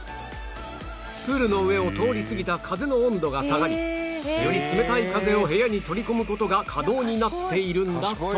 プールの上を通り過ぎた風の温度が下がりより冷たい風を部屋に取り込む事が可能になっているんだそう